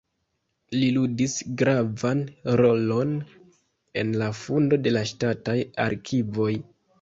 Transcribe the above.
Li ludis gravan rolon en la fondo de la ŝtataj arkivoj.